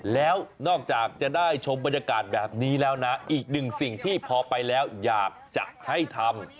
แล้วนอกจากจะได้ชมบรรยากาศแบบนี้แล้วนะอีกหนึ่งสิ่งที่พอไปแล้วอยากจะให้ทำ